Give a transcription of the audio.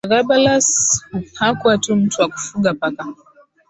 Elagabalus hakuwa tu mtu wa kufuga paka